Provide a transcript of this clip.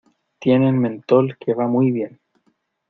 tienen mentol que va muy bien.